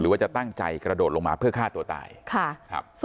ว่าจะตั้งใจกระโดดลงมาเพื่อฆ่าตัวตาย